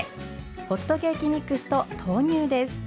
ホットケーキミックスと豆乳です。